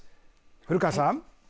古河さん。